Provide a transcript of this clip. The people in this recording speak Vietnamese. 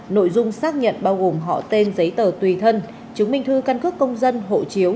nội dung xác nhận bao gồm họ tên giấy tờ tùy thân chứng minh thư căn cước công dân hộ chiếu